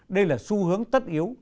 đây là xu hướng tất yếu